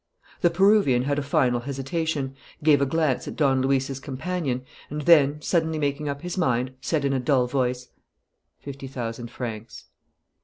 The Peruvian had a final hesitation, gave a glance at Don Luis's companion, and then, suddenly making up his mind, said in a dull voice: "Fifty thousand francs!"